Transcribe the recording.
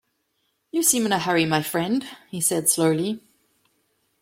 “You seem in a hurry, my friend,” he said slowly.